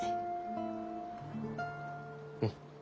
うん。